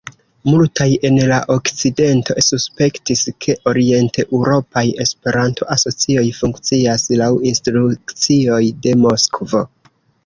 Multaj en la okcidento suspektis, ke orienteŭropaj Esperanto-asocioj funkcias laŭ instrukcioj de Moskvo.